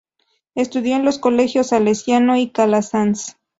Estudió en los colegios Salesiano y Calasanz.